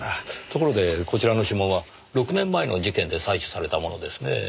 ところでこちらの指紋は６年前の事件で採取されたものですねぇ。